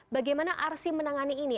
bagaimana arsim menangani ini